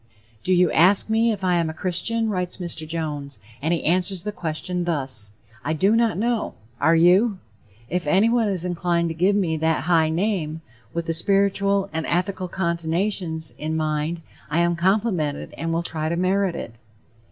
"Do you ask me if I am a 'Christian'?" writes Mr. Jones, and he answers the question thus: "I do not know. Are you? If anyone is inclined to give me that high name, with the spiritual and ethical connotation in mind, I am complimented and will try to merit it."